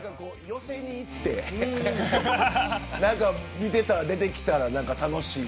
寄席に行って見てたら出てきたら楽しい。